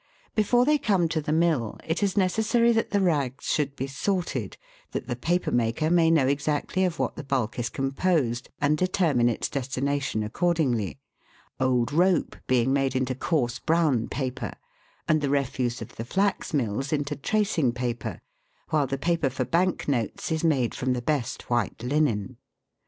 Before they come to the mill it is necessary that the rags should be sorted, that the paper maker may know exactly of what the bulk is composed and determine its destination accordingly, old rope being made into coarse brown paper, and the refuse of the flax mills into tracing paper, while the paper for bank notes is made from the best white linen.